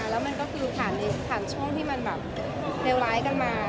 แล้วมันก็คือผ่านช่วงที่มันแบบเลวร้ายกันมา